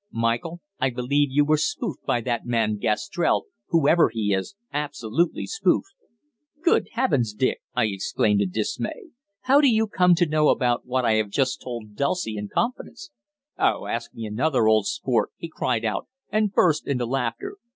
Michael, I believe you were spoofed by that man Gastrell, whoever he is absolutely spoofed." "Good heavens, Dick!" I exclaimed in dismay, "how do you come to know what I have just told to Dulcie in confidence?" "Oh, ask me another, old sport!" he cried out, and burst into laughter.